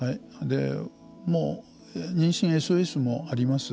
もう妊娠ＳＯＳもあります。